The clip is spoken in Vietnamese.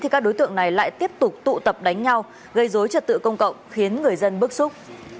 các đối tượng này lại tiếp tục tụ tập đánh nhau gây dối trật tự công cộng khiến người dân bức xúc